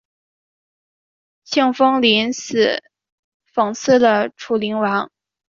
庆封临死讽刺了楚灵王。